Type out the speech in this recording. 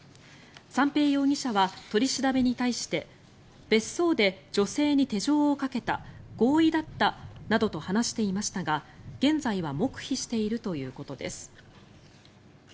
三瓶容疑者は、取り調べに対して別荘で女性に手錠をかけた合意だったなどと話していましたが現在は黙秘しているということです。